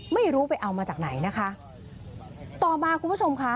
ไม่รู้ไปเอามาจากไหนนะคะต่อมาคุณผู้ชมค่ะ